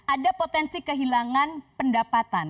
ada potensi kehilangan pendapatan